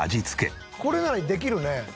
これならできるね。